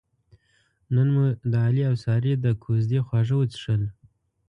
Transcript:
نن مو د علي اوسارې د کوزدې خواږه وڅښل.